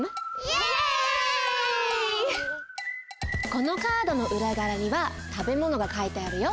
このカードのうらがわにはたべものがかいてあるよ。